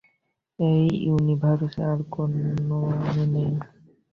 এই ইউনিভার্সে আর কোনো আমি নেই।